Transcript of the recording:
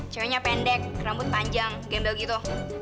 cowoknya pendek rambut panjang gembel gitu